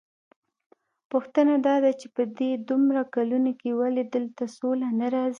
پوښتنه داده چې په دې دومره کلونو کې ولې دلته سوله نه راځي؟